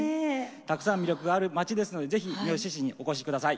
たくさん魅力がある町ですので是非三次市にお越し下さい。